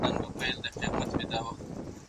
ايا دوی د سرمايې ظرفيتي اغېزې رعايت کړې وې.